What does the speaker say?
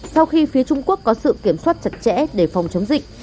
sau khi phía trung quốc có sự kiểm soát chặt chẽ để phòng chống dịch